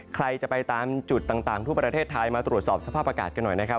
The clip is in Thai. ใครจะไปตามจุดต่างทั่วประเทศไทยมาตรวจสอบสภาพอากาศกันหน่อยนะครับ